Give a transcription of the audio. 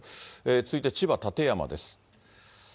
続いて千葉・館山です。